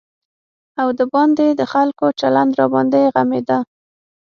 او د باندې د خلکو چلند راباندې غمېده.